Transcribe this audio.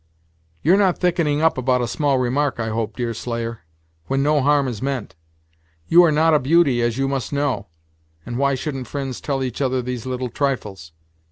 "You're not thick'ning up about a small remark, I hope, Deerslayer, when no harm is meant. You are not a beauty, as you must know, and why shouldn't fri'nds tell each other these little trifles?